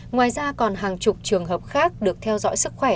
ngoài ra còn hàng chục trường hợp khác được theo dõi sức khỏe